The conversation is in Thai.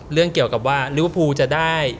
เรื่องเกี่ยวกับว่าหรือว่าภูจะได้